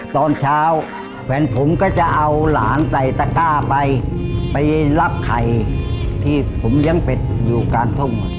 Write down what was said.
ตอนเช้าแฟนผมก็จะเอาหลานใส่ตะก้าไปไปรับไข่ที่ผมเลี้ยงเป็ดอยู่กลางทุ่ง